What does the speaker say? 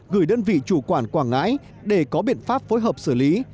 gửi đơn vị chủ quản quảng ngãi để có biện pháp phối hợp xử lý